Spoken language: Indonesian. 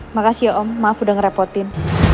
makasih ya om maaf udah ngerepotin